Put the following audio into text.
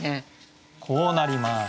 こうなります。